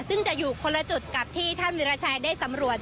ซึ่งจะอยู่คนละจุดกับที่ท่านวิราชัยได้สำรวจ